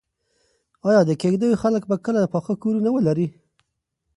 ایا د کيږديو خلک به کله پاخه کورونه ولري؟